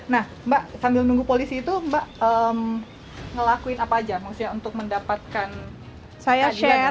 nah mbak sambil nunggu polisi itu mbak ngelakuin apa aja maksudnya untuk mendapatkan saya